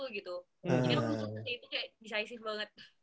jadi aku tuh kayak decisive banget